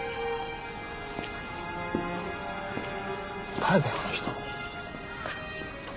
誰だよあの人